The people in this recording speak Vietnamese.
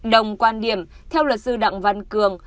đồng quan điểm theo luật sư đặng văn cường